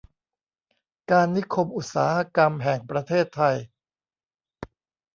การนิคมอุตสาหกรรมแห่งประเทศไทย